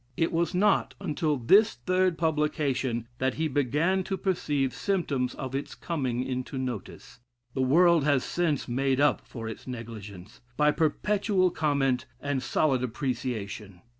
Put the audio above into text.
It was not until this third publication that he "began to perceive symptoms of its coming into notice." The world has since made up for its negligence, by perpetual comment and solid appreciation.